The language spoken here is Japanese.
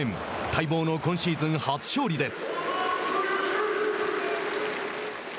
待望の今シーズン初勝利です。